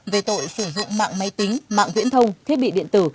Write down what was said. về tội sử dụng mạng máy tính mạng viễn thông thiết bị điện tử